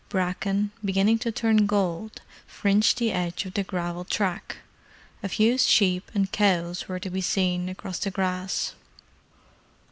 Bracken, beginning to turn gold, fringed the edge of the gravelled track. A few sheep and cows were to be seen, across the grass.